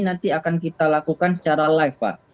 nanti akan kita lakukan secara live pak